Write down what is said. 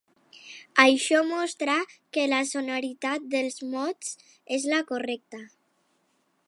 Això mostra que la sonoritat dels mots és la correcta.